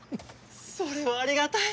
それはありがたい！